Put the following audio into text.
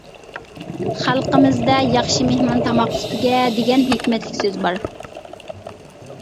خەلقىمىزدە «ياخشى مېھمان تاماق ئۈستىگە» دېگەن ھېكمەتلىك سۆز بار.